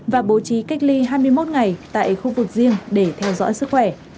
và bố trí cách ly hai mươi một ngày tại khu vực riêng để theo dõi sức khỏe